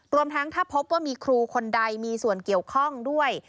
รวมทั้งถ้าพบว่ามีครูคนใดมีส่วนเกี่ยวข้องด้วย